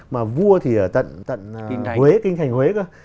mà vua thì ở tận tận huế kinh thành huế cơ